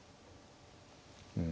うん。